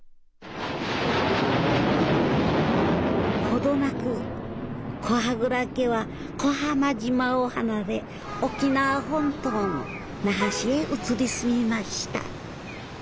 ほどなく古波蔵家は小浜島を離れ沖縄本島の那覇市へ移り住みました。